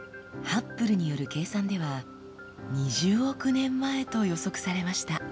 ハッブルによる計算では２０億年前と予測されました。